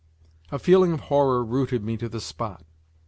A feeling of horror rooted me to the spot.